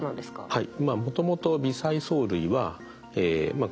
はい。